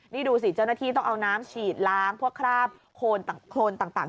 นี่ดูสิเจ้าหน้าที่ต้องเอาน้ำฉีดล้างพวกคราบโครนต่าง